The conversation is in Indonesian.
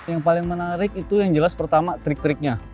yang paling menarik itu yang jelas pertama trick tricknya